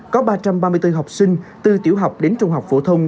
có ba trăm ba mươi bốn học sinh từ tiểu học đến trung học phổ thông